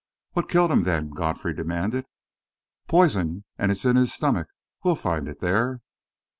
"What killed him, then?" Godfrey demanded. "Poison and it's in his stomach. We'll find it there."